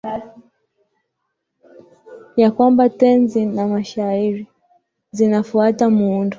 ya kwamba tenzi na mashairi vinafuata muundo